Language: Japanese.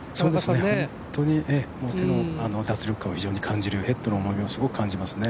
本当に手の脱力感はすごく感じる、ヘッドの重みはすごく感じますね。